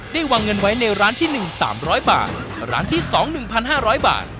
ได้วางเงินไว้ในร้านที่หนึ่งสามร้อยบาทร้านที่สองหนึ่งพันห้าร้อยบาท